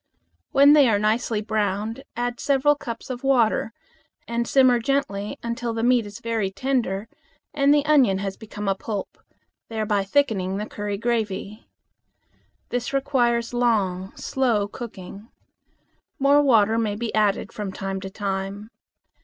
When they are nicely browned add several cups of water and simmer gently until the meat is very tender and the onion has become a pulp, thereby thickening the curry gravy. This requires long, slow cooking. More water may be added from time to time.